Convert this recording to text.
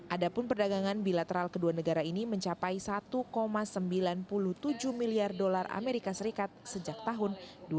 adapun perdagangan bilateral kedua negara ini mencapai satu sembilan puluh tujuh miliar dolar amerika serikat sejak tahun dua ribu dua